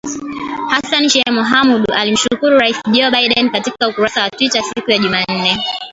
Hassan Sheikh Mohamud alimshukuru Rais Joe Biden katika ukurasa wa Twita siku ya Jumanne.